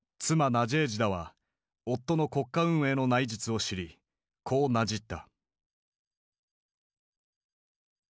ナジェージダは夫の国家運営の内実を知りこうなじった。